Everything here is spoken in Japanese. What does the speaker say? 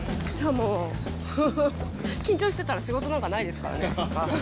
もう、緊張してたら仕事なんかないですからね。